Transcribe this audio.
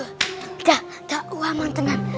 ada tak uang mantenan